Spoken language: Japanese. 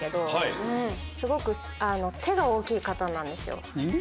すごく手が大きい方なんですよ。